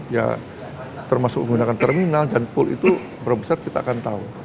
ya termasuk menggunakan terminal dan pool itu berapa besar kita akan tahu